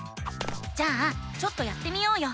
じゃあちょっとやってみようよ！